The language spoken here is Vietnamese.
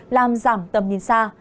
làm giảm tầm nhìn xa